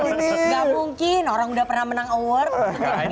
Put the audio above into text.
teresin uhangantara itu ssi mam bunyi percepih merasa senang besar akan diberi kesempatan lei